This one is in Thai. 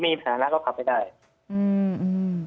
ไม่มีสาระเขาก็ขับไม่ได้